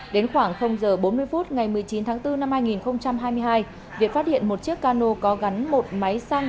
đến khoảng h bốn mươi phút ngày một mươi chín tháng bốn năm hai nghìn hai mươi hai việt phát hiện một chiếc cano có gắn một máy xăng